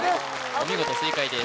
お見事正解です